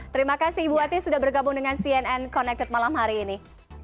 terima kasih ibu ati sudah bergabung dengan cnn connected malam hari ini